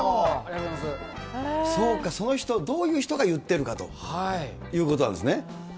そうか、どういう人が言ってるかということなんですね。